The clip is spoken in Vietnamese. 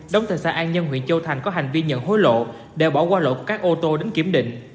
đồng thời xã an nhân huyện châu thành có hành vi nhận hối lộ để bỏ qua lộ của các ô tô đến kiểm định